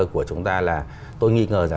của chúng ta là tôi nghi ngờ là